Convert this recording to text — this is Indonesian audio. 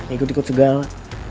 gak ikut ikut segala